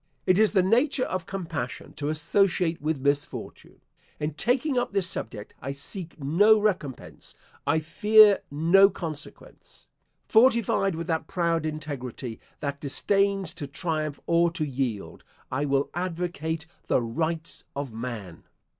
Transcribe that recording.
It is the nature of compassion to associate with misfortune. In taking up this subject I seek no recompense I fear no consequence. Fortified with that proud integrity, that disdains to triumph or to yield, I will advocate the Rights of Man.